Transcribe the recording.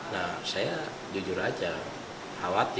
nah saya jujur aja khawatir